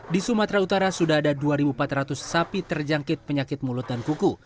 di sumatera utara sudah ada dua empat ratus sapi terjangkit penyakit mulut dan kuku